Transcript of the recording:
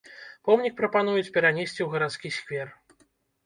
Помнік прапануюць перанесці ў гарадскі сквер.